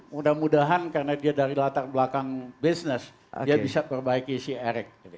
mudah mudahan karena dia dari latar belakang bisnis dia bisa perbaiki si erik